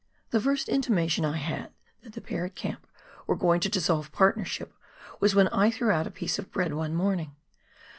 " The first intimation I had that the pair at camp were going to dissolve partnership was when I threw out a piece of bread one morning.